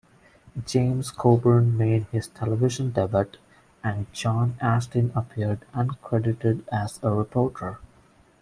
James Coburn made his television debut, and John Astin appeared uncredited as a reporter.